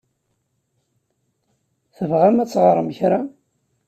Tebɣam ad teɣṛem kra?